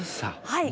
はい。